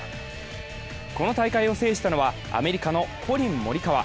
この大会を制したのは、アメリカのコリン・モリカワ。